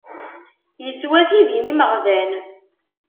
Yeswa tidi n imeɣban.